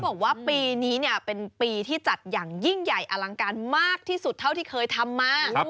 บอกว่าปีนี้เป็นปีที่จัดอย่างยิ่งใหญ่อลังการมากที่สุดเท่าที่เคยทำมา